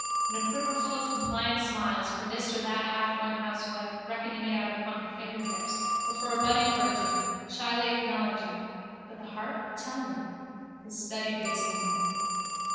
and a quiverful of compliant smiles for this or that halfwon housewife reckoning it out upon her fingertips or for a budding virgin, shyly acknowledging (but the heart? tell me!) his studied baisemoins.